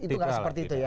itu tidak seperti itu ya